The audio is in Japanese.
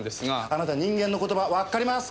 あなた人間の言葉わかりますか？